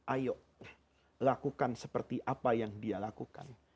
ayo lakukan seperti apa yang dia lakukan